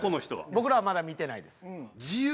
僕らはまだ見てないです。